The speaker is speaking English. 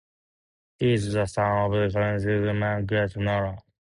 He is the son of Congresswoman Gwen Moore.